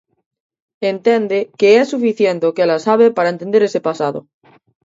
Entende que é suficiente o que ela sabe para entender ese pasado.